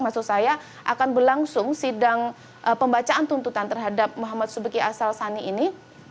maksud saya akan berlangsung sidang pembacaan tuntutan terhadap muhammad subeki asal sani ini